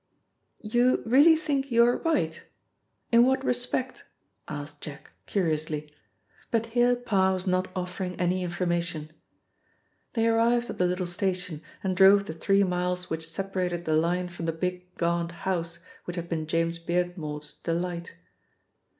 "You really think you are right? In what respect?" asked Jack curiously, but here Parr was not offering any information. They arrived at the little station and drove the three miles which separated the line from the big gaunt house which had been James Beardmore's delight.